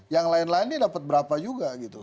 yang lain lainnya dapat berapa juga gitu